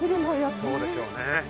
そうでしょうね